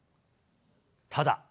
ただ。